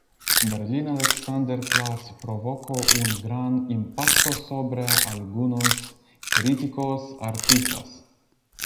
Berlin Alexanderplatz provocó un gran impacto sobre algunos críticos artistas.